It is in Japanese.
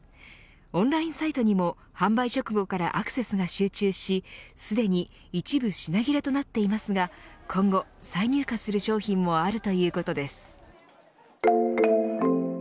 オンラインサイトにも販売直後からアクセスが集中し、すでに一部品切れとなっていますが今後、再入荷する商品もあるということです。